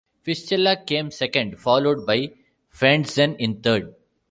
Fisichella came second, followed by Frentzen in third.